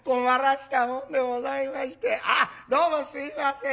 どうもすいません。